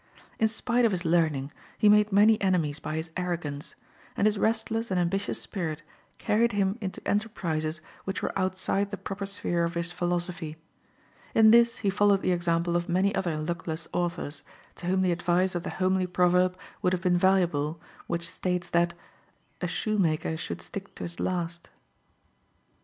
In spite of his learning he made many enemies by his arrogance; and his restless and ambitious spirit carried him into enterprises which were outside the proper sphere of his philosophy. In this he followed the example of many other luckless authors, to whom the advice of the homely proverb would have been valuable which states that "a shoemaker should stick to his last."